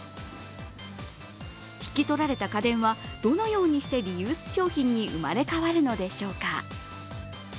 引き取られた家電は、どのようにしてリユース商品に生まれ変わるのでしょうか。